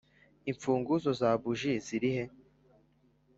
Imfunguzo za buji zirihe